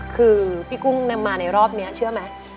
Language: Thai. คือพี่กุ้งนำมาในรอบนี้เชื่อไหม